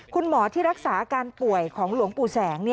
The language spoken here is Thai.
คุณหมอที่รักษาอาการป่วยของหลวงปู่แสง